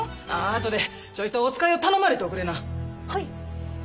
後でちょいとお使いを頼まれておくれな。